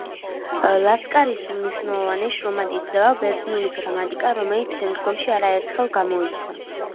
ლასკარისის უმნიშვნელოვანეს შრომად ითვლება „ბერძნული გრამატიკა“, რომელიც შემდგომში არაერთხელ გამოიცა.